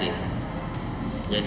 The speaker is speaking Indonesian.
kita bisa mencari